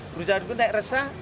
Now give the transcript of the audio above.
berusaha berusaha tidak resah